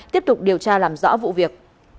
tiếp tục điều tra làm rõ vụ việc